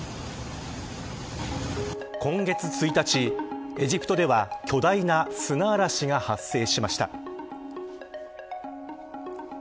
今月１日エジプトでは、巨大な砂嵐が発生しました。